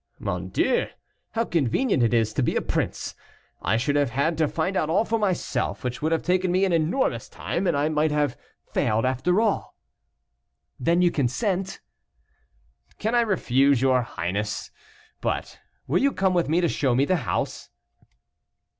"Mon Dieu! how convenient it is to be a prince. I should have had to find out all for myself, which would have taken me an enormous time, and I might have failed after all." "Then you consent?" "Can I refuse your highness? But will you come with me to show me the house?"